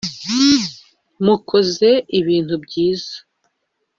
mukoze ibintu byiza.